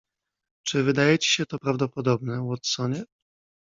"Czy wydaje ci się to prawdopodobne, Watsonie?"